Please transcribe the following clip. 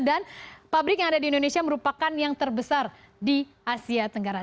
dan pabrik yang ada di indonesia merupakan yang terbesar di asia tenggara